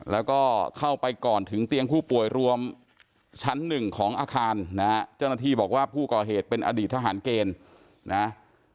แล้วก็เข้าไปก่อนถึงเตียงผู้ป่วยรวมชั้นหนึ่งของอาคารนะฮะเจ้าหน้าที่บอกว่าผู้ก่อเหตุเป็นอดีตทหารเกณฑ์นะ